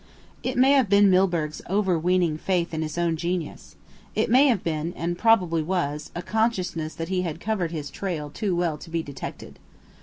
It may have been Milburgh's overweening faith in his own genius. It may have been, and probably was, a consciousness that he had covered his trail too well to be detected.